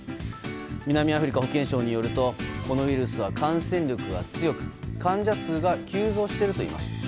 南アフリカ保健省によるとこのウイルスは感染力が強く患者数が急増しているといいます。